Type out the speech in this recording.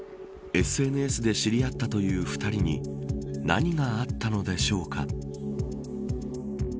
ＳＮＳで知り合ったという２人に何があったのでしょうか。